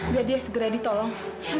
biar dia segera ditolong